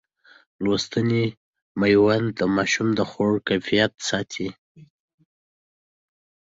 لوستې میندې د ماشوم د خوړو کیفیت ساتي.